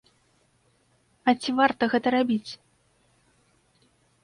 А ці варта гэта рабіць?